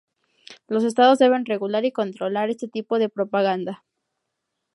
Los estados deben regular y controlar este tipo de propaganda.